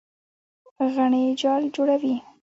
غڼې جال جوړوي.